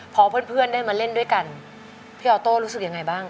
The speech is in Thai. พอเพื่อนได้มาเล่นด้วยกันพี่ออโต้รู้สึกยังไงบ้าง